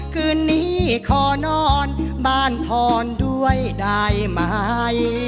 คืนนี้ขอนอนบ้านพรด้วยได้ไหม